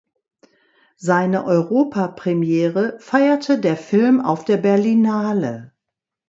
Seine Europapremiere feierte der Film auf der Berlinale.